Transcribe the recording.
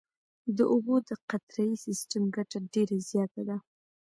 د اوبو د قطرهیي سیستم ګټه ډېره زیاته ده.